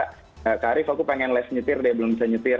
kak arief aku pengen less nyetir deh belum bisa nyetir